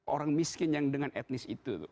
orang miskin yang dengan etnis itu